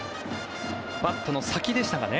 バットの先でしたがね。